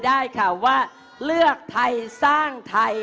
ได้ข่าวว่าเลือกไทยสร้างไทย